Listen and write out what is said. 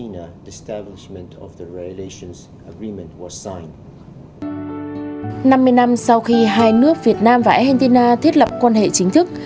năm mươi năm sau khi hai nước việt nam và argentina thiết lập quan hệ chính thức